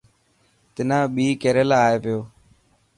تنا ٻي ڪيريلا آئي پيو.